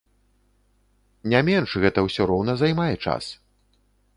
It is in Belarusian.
Не менш, гэта ўсё роўна займае час!